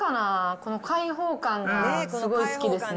この開放感がすごい好きですね。